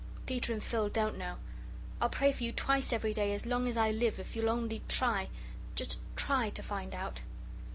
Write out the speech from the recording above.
Peter and Phil don't know. I'll pray for you twice every day as long as I live if you'll only try just try to find out.